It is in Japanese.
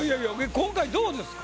今回どうですか？